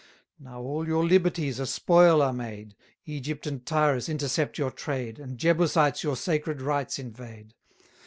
Now all your liberties a spoil are made; Egypt and Tyrus intercept your trade, And Jebusites your sacred rites invade.